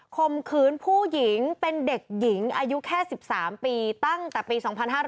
มขืนผู้หญิงเป็นเด็กหญิงอายุแค่๑๓ปีตั้งแต่ปี๒๕๕๙